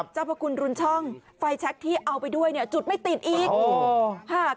พระคุณรุนช่องไฟแชคที่เอาไปด้วยเนี่ยจุดไม่ติดอีก